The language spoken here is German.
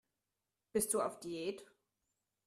Bist du auf Diät?